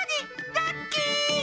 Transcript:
ラッキー！